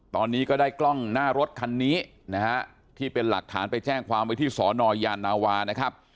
ตอนนี้ก็ได้กล้องหน้ารถคันนี้นะฮะที่เป็นหลักฐานไปแจ้งความไว้ที่สอนอยานาวานะครับ